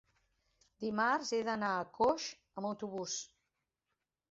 Dimarts he d'anar a Coix amb autobús.